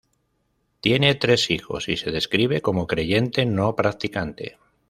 Tiene tres hijos y se describe como creyente no practicante.